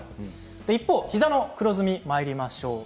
一方、膝の黒ずみにまいりましょう。